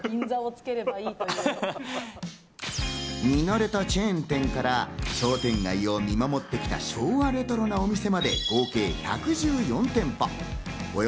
見慣れたチェーン店から商店街を見守ってきた昭和レトロなお店まで、合計１１４店舗。